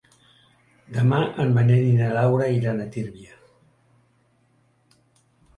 Demà en Manel i na Laura iran a Tírvia.